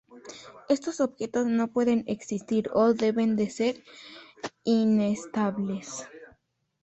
Estos objetos no pueden existir o deben de ser inestables.